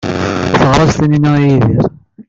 Teɣras-as Taninna i Yidir?